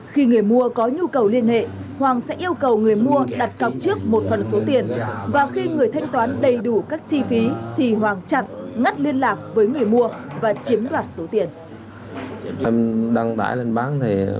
khi người mua có nhu cầu liên hệ hoàng sẽ yêu cầu người mua đặt cặp trước một phần số tiền